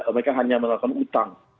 mereka hanya menawarkan hutang